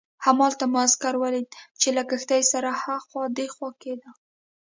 همالته مو عسکر ولید چې له کښتۍ سره اخوا دیخوا کېده.